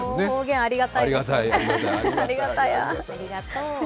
ありがたや。